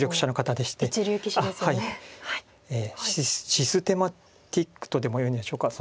システマティックとでもいうんでしょうか。